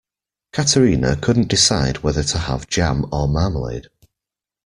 Katerina couldn't decide whether to have jam or marmalade.